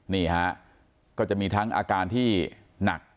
นี่ฮะก็จะมีทั้งอาการที่หนัก